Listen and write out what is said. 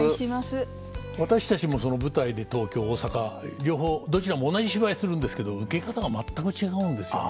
私たちも舞台で東京大阪両方どちらも同じ芝居するんですけど受け方が全く違うんですよね。